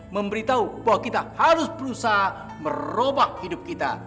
memberitahu bahwa kita harus berusaha merobak hidup kita